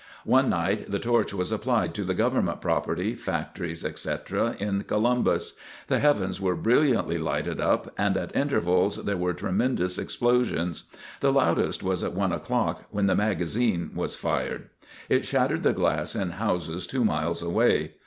One night the torch was applied to the government property, factories, etc., in Columbus. The heavens were brilliantly lighted up and at intervals there were tremendous explosions. The loudest was at one o'clock, when the magazine was fired. It shattered the glass in houses two miles away.